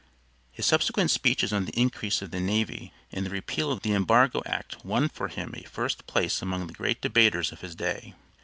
His subsequent speeches on the increase of the navy and the repeal of the embargo act won for him a first place among the great debaters of his day.